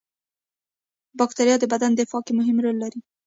بکتریا د بدن دفاع کې مهم رول لري